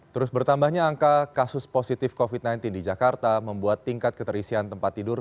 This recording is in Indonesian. terus bertambahnya angka kasus positif covid sembilan belas di jakarta membuat tingkat keterisian tempat tidur